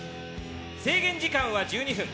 制限時間は１２分。